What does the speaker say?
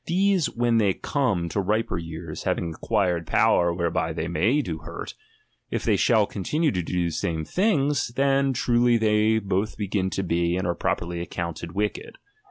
These ijWhen they come to riper years, having acquired power vffhereby they may do hurt, if they shall continue to do the same things, then truly they both begin to be, and are properly accounted wicked.